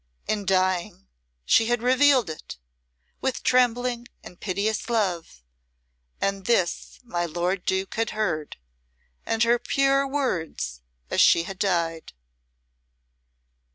In dying she had revealed it, with trembling and piteous love, and this my lord Duke had heard, and her pure words as she had died.